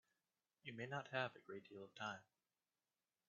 You may not have a great deal of time.